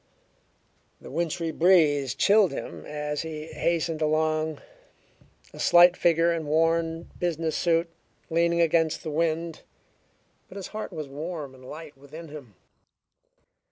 The wintry breeze chilled him as he hastened along, a slight figure in worn business suit, leaning against the wind, but his heart was warm and light within him.